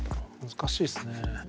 難しいですね。